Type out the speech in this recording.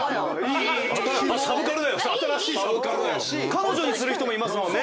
彼女にする人もいますもんね。